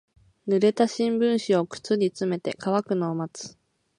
濡れた新聞紙を靴に詰めて乾くのを待つ。